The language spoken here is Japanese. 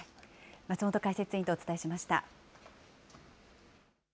松本解説委員とお伝えしました。